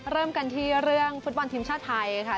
เริ่มกันที่เรื่องฟุตบอลทีมชาติไทยค่ะ